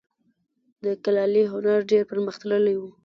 د کلالي هنر ډیر پرمختللی و